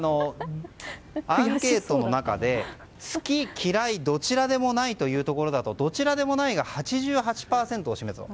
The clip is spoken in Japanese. アンケートの中で好き、嫌いどちらでもないでいうとどちらでもないが８８％を占めると。